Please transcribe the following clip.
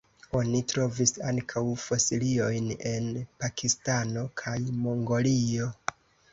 Oni trovis ankaŭ fosiliojn en Pakistano kaj Mongolio.